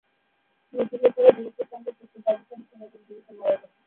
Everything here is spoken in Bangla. মুক্তিযোদ্ধারা বীরত্বের সঙ্গে শত্রু পাকিস্তানি সেনাদের বিরুদ্ধে লড়াই করেন।